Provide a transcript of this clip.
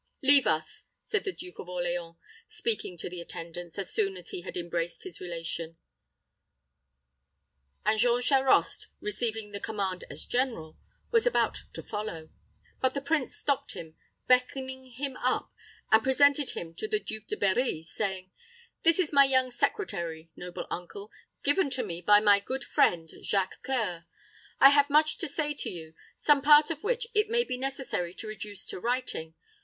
"Leave us," said the Duke of Orleans, speaking to the attendants, as soon as he had embraced his relation; and Jean Charost, receiving the command as general, was about to follow. But the prince stopped him, beckoning him up, and presented him to the Duke de Berri, saying, "This is my young secretary, noble uncle; given to me by my good friend Jacques C[oe]ur. I have much to say to you; some part of which it may be necessary to reduce to writing.